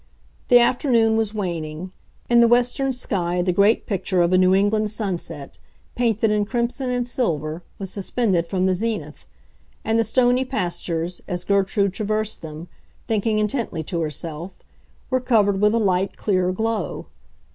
The afternoon was waning; in the western sky the great picture of a New England sunset, painted in crimson and silver, was suspended from the zenith; and the stony pastures, as Gertrude traversed them, thinking intently to herself, were covered with a light, clear glow.